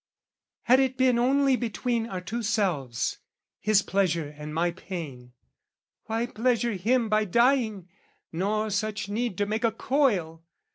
"Had it been only between our two selves, "His pleasure and my pain, why, pleasure him "By dying, nor such need to make a coil!